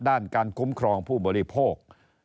ด้านการคุ้มครองผู้บริโภค